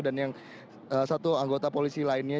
dan yang satu anggota polisi lainnya